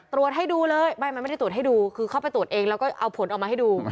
ตรวจให้ดูเลยไม่มันไม่ได้ตรวจให้ดูคือเข้าไปตรวจเองแล้วก็เอาผลออกมาให้ดู